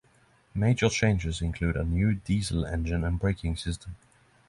Major changes include a new diesel engine and braking system.